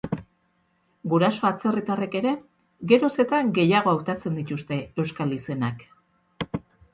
Guraso atzerritarrek ere, geroz eta gehiago hautatzen dituzte euskal izenak.